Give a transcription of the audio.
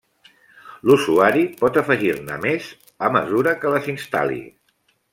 L'usuari pot afegir-ne més a mesura que les instal·li.